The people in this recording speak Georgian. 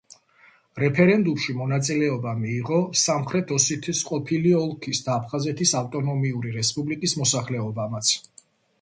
რეფერენდუმში მონაწილეობა მიიღო სამხრეთ ოსეთის ყოფილი ოლქისა და აფხაზეთის ავტონომიური რესპუბლიკის მოსახლეობამაც.